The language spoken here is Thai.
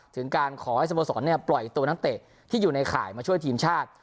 ถึงการขอให้สโมสรปล่อยตัวนักเตะที่อยู่ในข่ายมาช่วยทีมชาติ